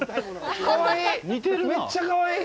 かわいい！